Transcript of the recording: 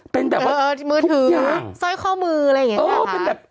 มือถือแซ่วข้อมืออะไรอย่างนี้นะคะไปว่าฮะเป็นแบบ